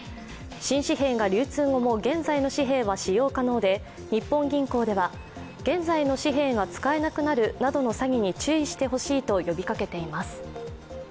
新紙幣が流通後も現在の紙幣は使用可能で日本銀行では、現在の紙幣が使えなくなるなどの詐欺に注意してほしいと呼びかけています。